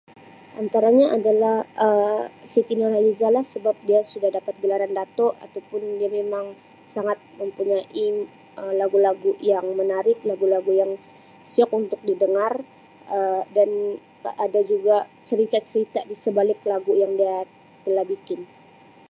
Antaranya adalah Um Siti Nurhaliza lah sebab dia sudah dapat gelaran Dato' ataupun dia memang sangat mempunyai Um lagu-lagu yang menarik, lagu-lagu yang siok untuk didengar Um dan ada juga cerita-cerita disebalik lagu yang dia telah bikin.